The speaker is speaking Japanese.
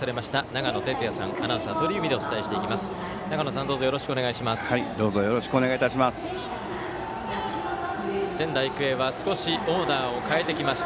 長野さん、どうぞよろしくお願いします。